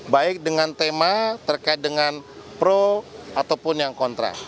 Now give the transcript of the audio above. baik dengan tema terkait dengan pro ataupun yang kontra